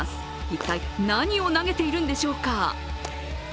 一体何を投げているんでしょうか。